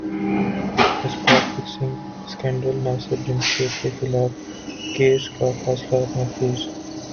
spot fixing اسکینڈلناصر جمشید کیخلاف case کا فیصلہ محفوظ